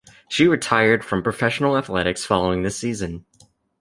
She retired from professional athletics following this season.